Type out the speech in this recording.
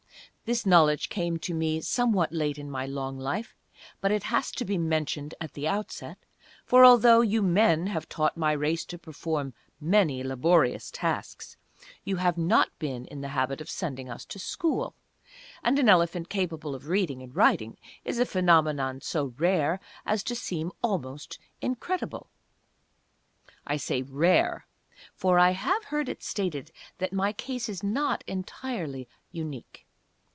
This knowledge came to me somewhat late in my long life, but it has to be mentioned at the outset, for although you men have taught my race to perform many laborious tasks, you have not been in the habit of sending us to school, and an elephant capable of reading and writing is a phenomenon so rare as to seem almost incredible. I say rare, for I have heard it stated that my case is not entirely unique.